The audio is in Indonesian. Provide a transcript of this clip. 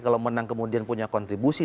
kalau menang kemudian punya kontribusi